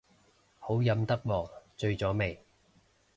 好飲得喎，醉咗未